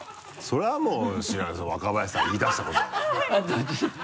それはもう知らない若林さんが言い出したことだから。